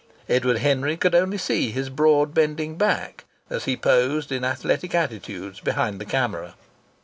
Edward Henry could only see his broad bending back as he posed in athletic attitudes behind the camera.